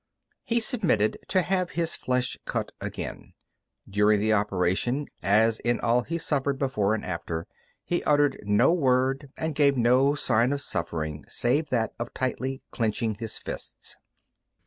He submitted to have his flesh cut again. During the operation, as in all he suffered before and after, he uttered no word and gave no sign of suffering save that of tightly clenching his fists.